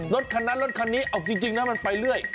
รถคันนั้นรถคันนี้เอาจริงนะมันไปเรื่อย